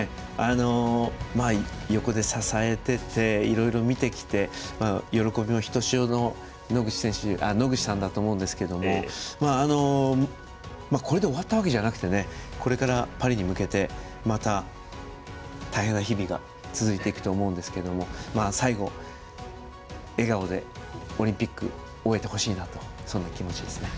横で支えてていろいろ見てきて喜びもひとしおの野口さんだと思うんですけどもこれで終わったわけじゃなくてこれからパリに向けてまた、大変な日々が続いていくと思うんですが最後、笑顔でオリンピック終えてほしいなとそんな気持ちですね。